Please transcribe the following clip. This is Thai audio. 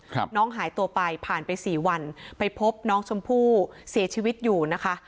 น้องหายตัวไปผ่านไปสี่วันไปพบน้องชมพู่เสียชีวิตอยู่นะคะ